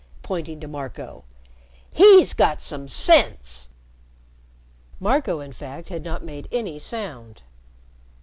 pointing to Marco. "He's got some sense." Marco, in fact, had not made any sound.